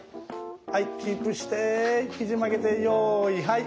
キープしてひじ曲げてよいはい。